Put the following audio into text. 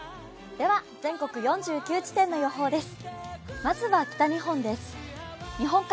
では全国４９地点の予報です。